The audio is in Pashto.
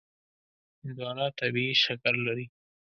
هندوانه طبیعي شکر لري.